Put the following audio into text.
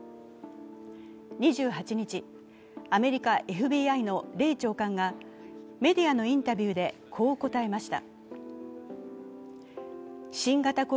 ２８日、アメリカ・ＦＢＩのレイ長官がメディアのインタビューでこう答えました。